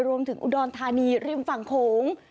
รวมถึงอุดรฐานีริมฝั่งโขง